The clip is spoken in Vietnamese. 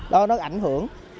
đó nó ảnh hưởng